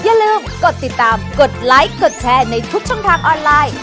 อย่าลืมกดติดตามกดไลค์กดแชร์ในทุกช่องทางออนไลน์